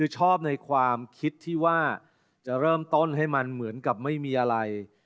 ชอบในความคิดที่ว่าจะเริ่มต้นให้มันเหมือนกับไม่มีอะไร